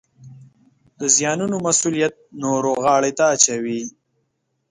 د زیانونو مسوولیت نورو غاړې ته اچوي